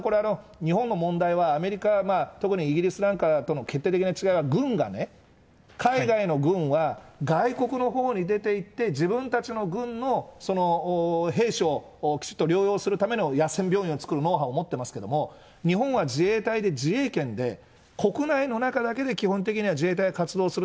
日本の問題は、アメリカが、とくにイギリスなんかとの決定的な違いは軍がね、海外の軍は、外国のほうに出ていって、自分たちの軍の兵士をきちっと療養するための野戦病院を作るノウハウを持っていますけれども、日本は自衛隊で自衛権で、国内の中だけで基本的には自衛隊活動する。